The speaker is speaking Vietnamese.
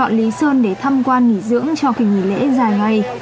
đi vào đảo lý sơn để tham quan nghỉ dưỡng cho kỳ nghỉ lễ dài ngày